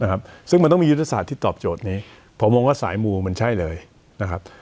นะครับซึ่งมันต้องมียุทธศาสตร์ที่ตอบโจทย์นี้ผมมองว่าสายมูมันใช่เลยนะครับ